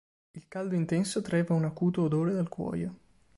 Il caldo intenso traeva un acuto odore dal cuoio.